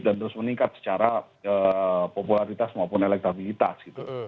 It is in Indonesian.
terus meningkat secara popularitas maupun elektabilitas gitu